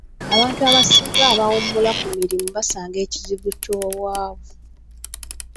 Abantu abasinga abawummula ku mirimu basanga ekizibu ky'obwavu.